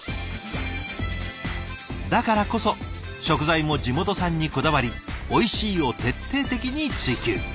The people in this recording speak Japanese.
だからこそ食材も地元産にこだわりおいしいを徹底的に追求。